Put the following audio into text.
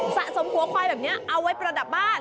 สะสมหัวควายแบบนี้เอาไว้ประดับบ้าน